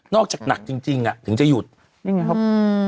จากหนักจริงจริงอ่ะถึงจะหยุดนี่ไงครับอืม